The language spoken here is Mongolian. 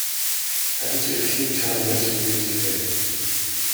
Харин ч эрхлэн шарваганаж нэг л жигтэй.